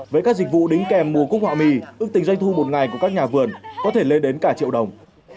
với các dịch vụ đính kèm mùa cúc họa mi ước tính doanh thu một ngày của các nhà vườn có thể lên đến cả triệu đồng